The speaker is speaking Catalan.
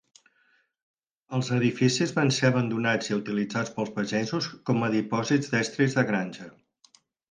Els edificis van ser abandonats i utilitzats pels pagesos com a dipòsits d'estris de granja.